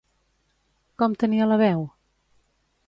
Com tenia la veu?